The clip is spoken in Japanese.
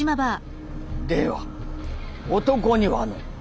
では男にはの。